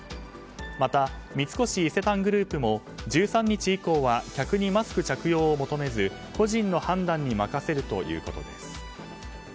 また、三越伊勢丹グループも１３日以降は客にマスク着用を求めず個人の判断に任せるということです。